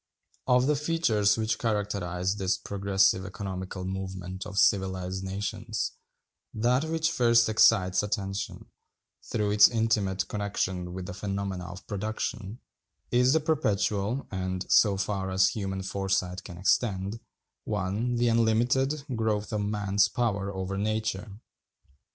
Of the features which characterize this progressive economical movement of civilized nations, that which first excites attention, through its intimate connection with the phenomena of Production, is the perpetual, and, so far as human foresight can extend (1), the unlimited, growth of man's power over nature.